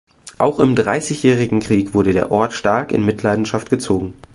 Auch im Dreißigjährigen Krieg wurde der Ort stark in Mitleidenschaft gezogen.